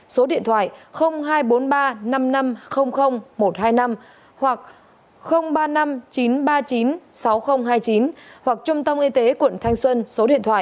số điện thoại hai trăm bốn mươi ba năm mươi năm một trăm hai mươi năm hoặc ba mươi năm chín trăm ba mươi chín sáu nghìn hai mươi chín hoặc trung tâm y tế quận thanh xuân số điện thoại hai trăm bốn mươi tám năm mươi tám hai mươi ba nghìn bốn trăm sáu mươi tám